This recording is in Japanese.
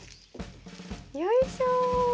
よいしょ。